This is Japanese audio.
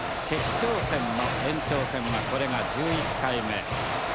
決勝戦の延長戦はこれが１１回目。